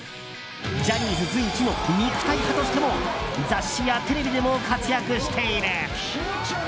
ジャニーズ随一の肉体派としても雑誌やテレビでも活躍している。